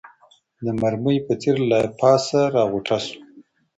د مرمۍ په څېر له پاسه راغوټه سو